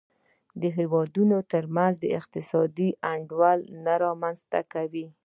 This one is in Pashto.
د هېوادونو ترمنځ اقتصادي انډول نه رامنځته کوي.